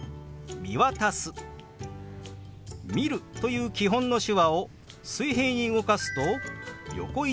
「見る」という基本の手話を水平に動かすと「横一面に見る」